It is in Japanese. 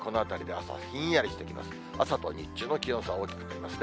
朝と日中の気温差、大きくなりますね。